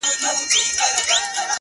د مُحبت کچکول په غاړه وړم د میني تر ښار،